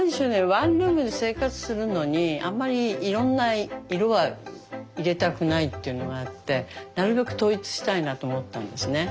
ワンルームで生活するのにあんまりいろんな色は入れたくないっていうのがあってなるべく統一したいなと思ったんですね。